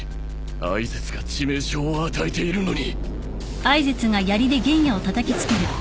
哀絶が致命傷を与えているのに